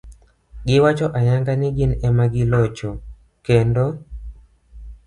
Giwacho ayanga ni gin ema gilocho, kendo